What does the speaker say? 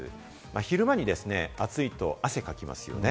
昼間にですね、暑いと汗をかきますよね。